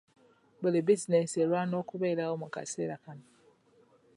Buli bizinensi erwana okubeerawo mu kaseera kano.